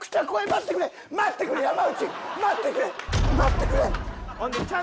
待ってくれ待ってくれ！